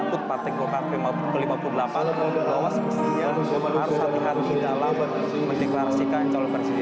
joko widodo mengatakan pada hari ke lima puluh delapan bahwa sepertinya harus hati hati dalam meneklarasikan calon presiden